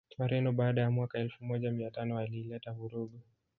Wareno baada ya mwaka Elfu moja miatano wailileta vurugu